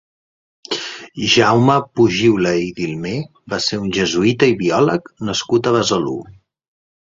Jaume Pujiula i Dilmé va ser un jesuïta i biòleg nascut a Besalú.